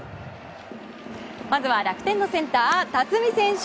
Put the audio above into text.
まずは楽天のセンター辰己選手。